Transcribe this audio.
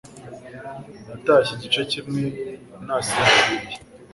Natashye igice kimwe nasinziriye